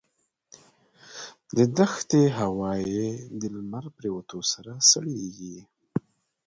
دښتي هوا یې د لمر پرېوتو سره سړېږي.